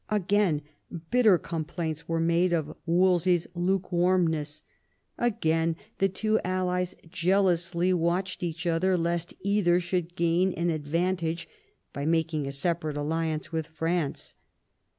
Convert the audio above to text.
Again bitter complaints were made of Wolsey's lukewarmness. Again the two allies jealously watched each other lest either should gain an advantage by making a separate alliance with France.